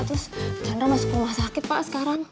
terus chandra masuk rumah sakit pak sekarang